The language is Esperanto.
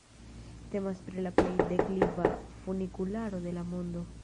Temas pri la plej dekliva funikularo de la mondo.